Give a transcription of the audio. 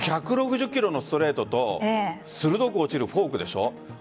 １６０キロのストレートと鋭く落ちるフォークでしょう。